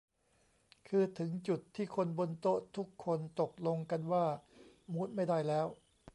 คือถึงจุดที่คนบนโต๊ะทุกคนตกลงกันว่า มู้ดไม่ได้แล้ว